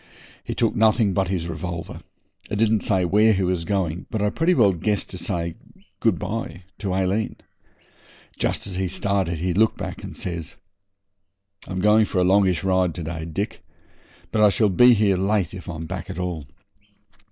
He took nothing but his revolver, and didn't say where he was going, but I pretty well guessed to say good bye to Aileen. Just as he started he looked back and says 'I'm going for a longish ride to day, Dick, but I shall be here late if I'm back at all.